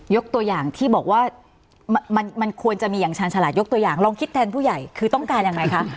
ตัวอย่างที่บอกว่ามันควรจะมีอย่างชาญฉลาดยกตัวอย่างลองคิดแทนผู้ใหญ่คือต้องการยังไงคะ